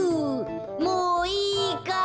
もういいかい？